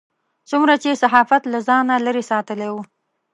څومره چې صحافت له ځانه لرې ساتلی و.